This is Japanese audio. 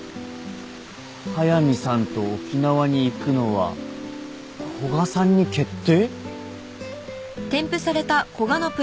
「速見さんと沖縄に行くのは古賀さんに決定！」